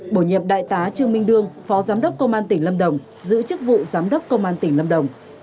bổ nhiệm đại tá trương minh đương phó giám đốc công an tỉnh lâm đồng giữ chức vụ giám đốc công an tỉnh lâm đồng